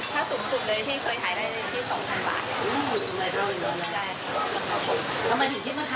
ทำโรตีก็ตอนแรกทำงานอยู่กรุงเทพฯครับ